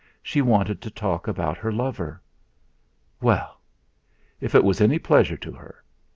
She wanted to talk about her lover! Well! If it was any pleasure to her!